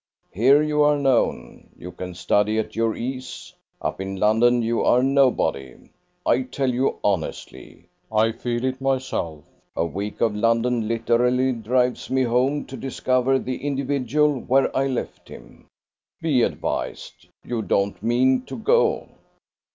Here you are known, you can study at your ease; up in London you are nobody; I tell you honestly, I feel it myself, a week of London literally drives me home to discover the individual where I left him. Be advised. You don't mean to go."